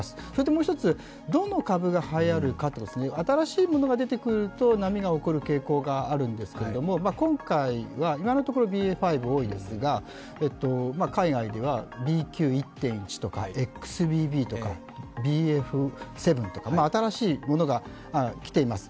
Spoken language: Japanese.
もう一つ、どの株がはやるか、新しいものが出てくると波が起こる傾向があるんですけれども今回は今のところＢＡ．５が多いですが、海外ではＢＱ．１．１とかＢＡ．７とか、新しいものが来ています。